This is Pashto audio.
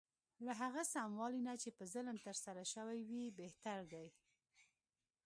له هغه سموالي نه چې په ظلم ترسره شوی وي بهتر دی.